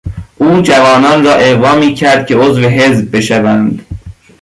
او جوانان را اغوا میکرد که عضو حزب بشوند.